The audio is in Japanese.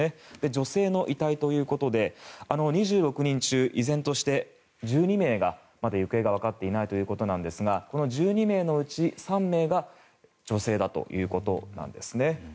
女性の遺体ということで２６人中、依然として１２名がまだ行方が分かっていないということなんですがこの１２名のうち３名が女性だということです。